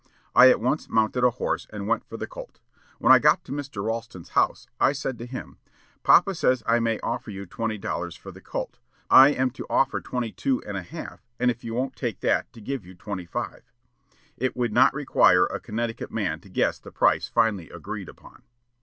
I at once mounted a horse and went for the colt. When I got to Mr. Ralston's house, I said to him: 'Papa says I may offer you twenty dollars for the colt; but if you won't take that, I am to offer twenty two and a half; and if you won't take that, to give you twenty five.' It would not require a Connecticut man to guess the price finally agreed upon....